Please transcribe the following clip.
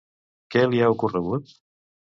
Què li ha ocorregut?